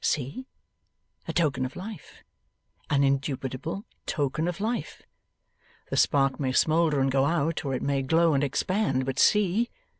See! A token of life! An indubitable token of life! The spark may smoulder and go out, or it may glow and expand, but see!